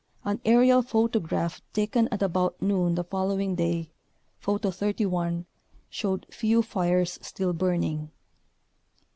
An aerial photograph taken at about noon the following day (Photo 31) showed few fires still burning.